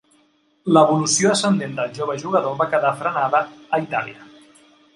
L'evolució ascendent del jove jugador va quedar frenada a Itàlia.